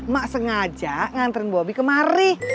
mak sengaja nganterin bobi kemari